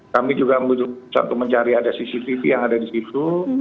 kami juga mencari cctv yang ada di situ